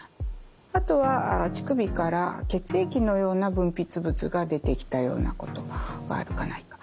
あとは乳首から血液のような分泌物が出てきたようなことがあるかないか。